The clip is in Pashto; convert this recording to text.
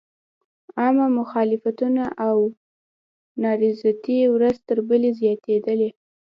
عامه مخالفتونه او نارضایتۍ ورځ تر بلې زیاتېدلې.